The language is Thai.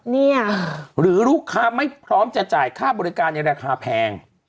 เนี่ยหรือลูกค้าไม่พร้อมจะจ่ายค่าบริการในราคาแพง